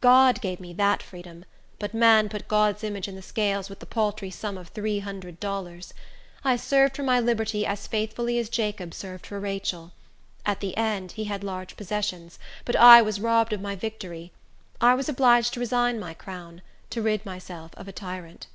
God gave me that freedom; but man put God's image in the scales with the paltry sum of three hundred dollars. I served for my liberty as faithfully as Jacob served for Rachel. At the end, he had large possessions; but I was robbed of my victory; I was obliged to resign my crown, to rid myself of a tyrant."